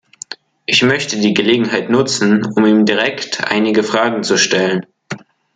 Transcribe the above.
Ich möchte die Gelegenheit nutzen, um ihm direkt einige Fragen zu stellen.